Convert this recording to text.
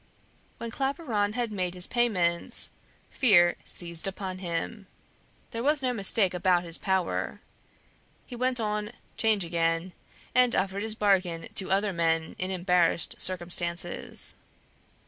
When Claparon had made his payments, fear seized upon him. There was no mistake about his power. He went on 'Change again, and offered his bargain to other men in embarrassed circumstances.